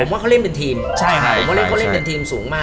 ผมว่าเขาเล่นเป็นทีม